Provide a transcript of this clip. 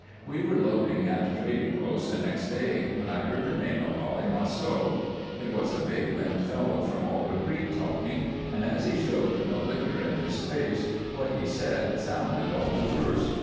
We were loading at the trading post the next day when I heard the name of Ollie Marceau. It was a big limbed fellow from Alder Creek talking, and, as he showed no liquor in his face, what he said sounded all the worse.